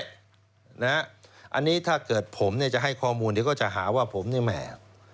อันนี้ถ้าเกิดผมเนี่ยจะให้ข้อมูลเดี๋ยวก็จะหาว่าผมเนี่ยแหม